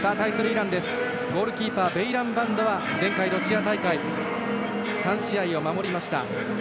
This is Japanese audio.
ゴールキーパーベイランバンドは前回ロシア大会３試合を守りました。